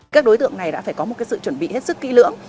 các đối tượng này đã phải có một sự chuẩn bị hết sức kỹ lưỡng